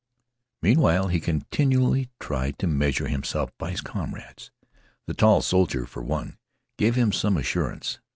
Meanwhile he continually tried to measure himself by his comrades. The tall soldier, for one, gave him some assurance.